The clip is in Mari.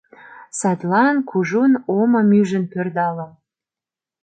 Садлан кужун омым ӱжын пӧрдалын.